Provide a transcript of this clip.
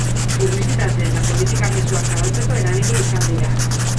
Publizitate eta politika mezuak zabaltzeko erabili izan dira.